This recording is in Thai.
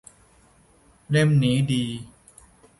เล่มนี้ดี